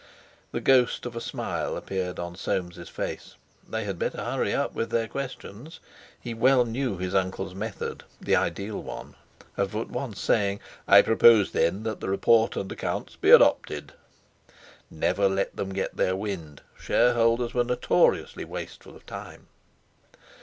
The ghost of a smile appeared on Soames's face. They had better hurry up with their questions! He well knew his uncle's method (the ideal one) of at once saying: "I propose, then, that the report and accounts be adopted!" Never let them get their wind—shareholders were notoriously wasteful of time!